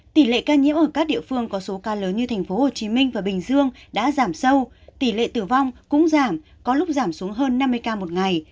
tỷ lệ ca nhiễm ở các địa phương có số ca lớn như tp hcm và bình dương đã giảm sâu tỷ lệ tử vong cũng giảm có lúc giảm xuống hơn năm mươi ca một ngày